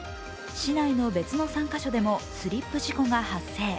市内の別の３か所でもスリップ事故が発生。